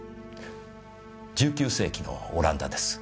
１９世紀のオランダです。